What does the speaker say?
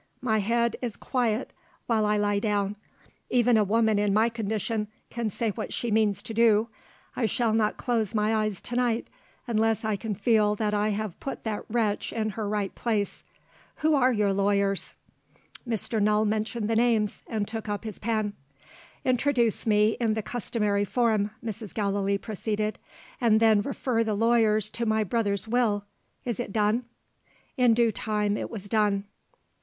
My head is quiet while I lie down. Even a woman in my condition can say what she means to do. I shall not close my eyes tonight, unless I can feel that I have put that wretch in her right place. Who are your lawyers?" Mr. Null mentioned the names, and took up his pen. "Introduce me in the customary form," Mrs. Gallilee proceeded; "and then refer the lawyers to my brother's Will. Is it done?" In due time it was done.